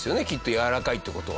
やわらかいって事は。